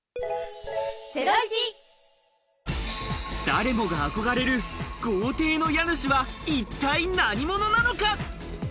誰もが憧れる豪邸の家主は一体何者なのか？